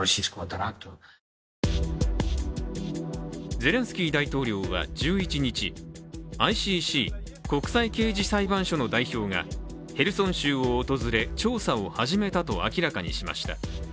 ゼレンスキー大統領は１１日ＩＣＣ＝国際刑事裁判所の代表がヘルソン州を訪れ調査を始めたと明らかにしました。